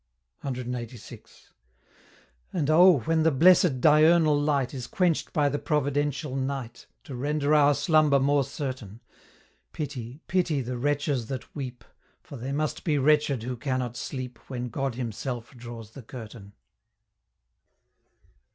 CLXXXVI. And oh! when the blessed diurnal light Is quench'd by the providential night, To render our slumber more certain! Pity, pity the wretches that weep, For they must be wretched, who cannot sleep When God himself draws the curtain!